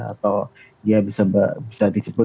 atau bisa disebut hal ini ya